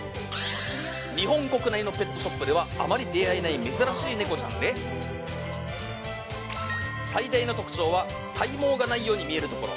日本国内のペットショップではあまり出会えない珍しいネコちゃんで最大の特徴は体毛がないように見えるところ。